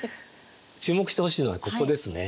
注目してほしいのはここですね